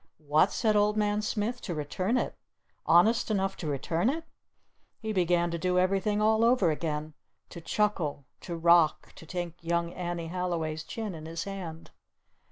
"What?" said Old Man Smith. "To return it? Honest enough to return it?" He began to do everything all over again! To chuckle! To rock! To take Young Annie Halliway's chin in his hand!